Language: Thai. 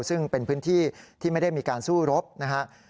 ซึ่งเป็นพื้นที่ที่ไม่ได้มีการสู้รบนะครับ